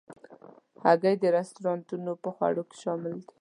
هګۍ د رستورانتو په خوړو کې شامل ده.